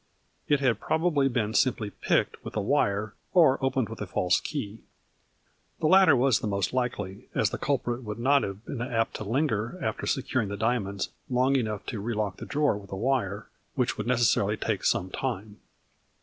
It had probably been simply picked with a wire, or opened with a false key. The latter was the most likely, as the culprit would not have been apt to linger, after securing the A FL UR II T IN DIAMONDS. $ diamonds, long enough to relock the drawer with a wire, which would necessarily take some time."